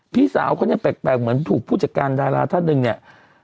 พี่สาวเขาเนี่ยแปลกเหมือนถูกผู้จัดการดาราท่านหนึ่งเนี่ย